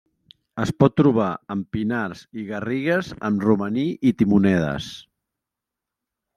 Es pot trobar en pinars i garrigues amb romaní i timonedes.